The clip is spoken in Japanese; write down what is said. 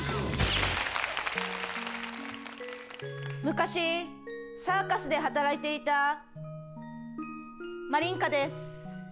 昔サーカスで働いていたまりんかです。